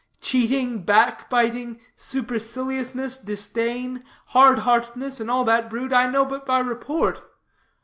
Cheating, backbiting, superciliousness, disdain, hard heartedness, and all that brood, I know but by report.